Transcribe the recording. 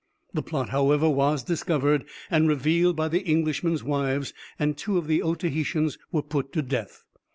The plot, however, was discovered, and revealed by the Englishmen's wives, and two of the Otaheitans were put to death.